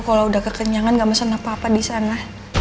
kalau udah kekenyangan gak masalah papa disana